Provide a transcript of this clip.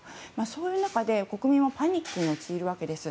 そういう中で、国民はパニックに陥るわけです。